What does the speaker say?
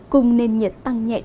cùng nền nhiệt tăng nhẹ trở lại